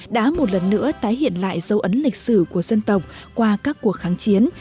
đã một lần nữa tái hiện lại dấu ấn lịch sử của dân tộc qua các cuộc kháng chiến